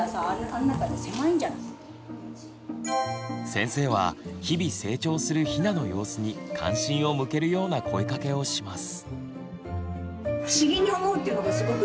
先生は日々成長するヒナの様子に関心を向けるような声かけをします。